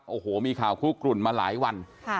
โอ้โหมีข่าวคุกกลุ่นมาหลายวัน